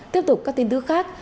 tiếp tục các tin tức khác